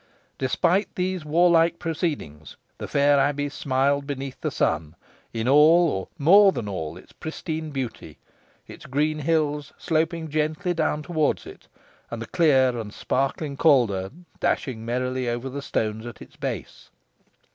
Despite these warlike proceedings the fair abbey smiled beneath the sun, in all, or more than all, its pristine beauty, its green hills sloping gently down towards it, and the clear and sparkling Calder dashing merrily over the stones at its base.